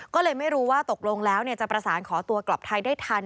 ก็เลยไม่รู้ว่าตกลงแล้วจะประสานขอตัวกลับไทยได้ทัน